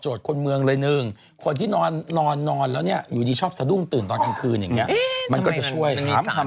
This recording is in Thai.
ก็ของเพื่อนกว่าทุกเด็กไหมวะ